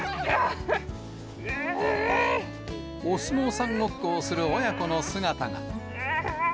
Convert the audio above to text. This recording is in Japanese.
お相撲さんごっこをする親子の姿が。